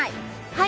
はい！